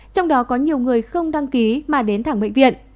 trong đó có nhiều người không đăng ký mà đến thẳng bệnh viện